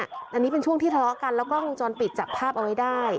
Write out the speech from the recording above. อันนี้เป็นช่วงที่ทะเลาะกันแล้วกล้องวงจรปิดจับภาพเอาไว้ได้